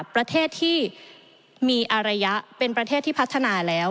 ประเทศที่มีอารยะเป็นประเทศที่พัฒนาแล้ว